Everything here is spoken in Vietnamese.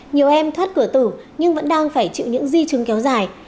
nhiều em thoát cửa tử nhưng vẫn đang phải chịu những di chứng kéo dài